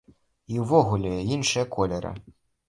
І ўвогуле, іншыя колеры.